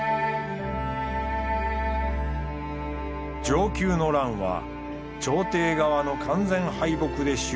承久の乱は朝廷側の完全敗北で終結。